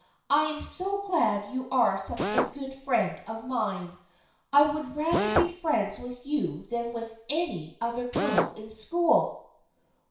I am so glad you are such a good friend of mine. I would rather be friends with you than with any other girl in school.'"